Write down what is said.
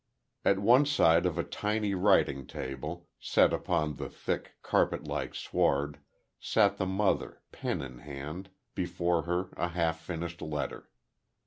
At one side of a tiny writing table set upon the thick, carpet like sward, sat the mother, pen in hand, before her a half finished letter.